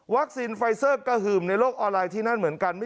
ไฟเซอร์กระหึ่มในโลกออนไลน์ที่นั่นเหมือนกัน